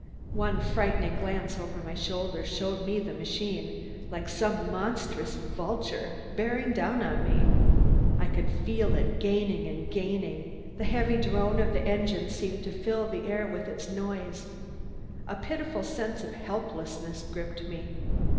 One frightened glance over my shoulder showed the machine, like some monstrous vulture, bearing down on me. I could feel it gaining and gaining. The heavy drone of the engines seemed to fill the air with its noise. A pitiful sense of helplessness gripped me.